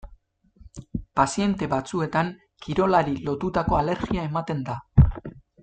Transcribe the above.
Paziente batzuetan kirolari lotutako alergia ematen da.